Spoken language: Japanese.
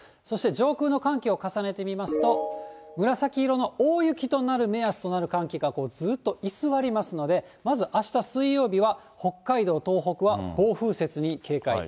そして上空の寒気を重ねてみますと、紫色の大雪となる目安となる寒気がずっと居座りますので、まずあした水曜日は、北海道、東北は暴風雪に警戒。